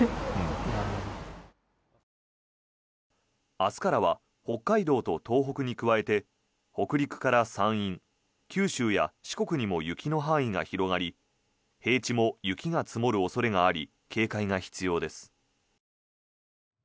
明日からは北海道と東北に加えて北陸から山陰、九州や四国にも雪の範囲が広がり平地も雪が積もる恐れがあり警戒が必要です。